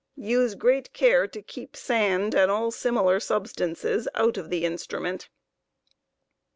Use great care to keep sand and all similar substances out of the instrument.